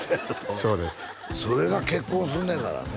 そうですそれが結婚すんのやからね